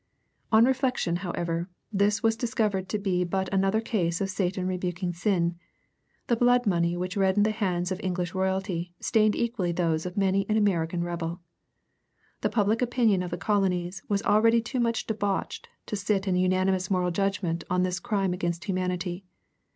On reflection, however, this was discovered to be but another case of Satan rebuking sin. The blood money which reddened the hands of English royalty stained equally those of many an American rebel. The public opinion of the colonies was already too much debauched to sit in unanimous moral judgment on this crime against humanity.